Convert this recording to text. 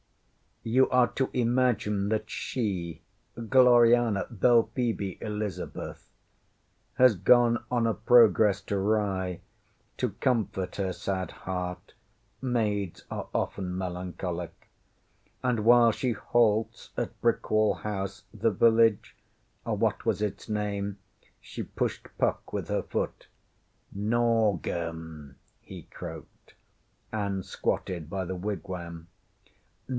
You are to imagine that she Gloriana, Belphoebe, Elizabeth has gone on a progress to Rye to comfort her sad heart (maids are often melancholic), and while she halts at Brickwall House, the village what was its name? ŌĆÖ She pushed Puck with her foot. ŌĆśNorgem, ŌĆÖ he croaked, and squatted by the wigwam.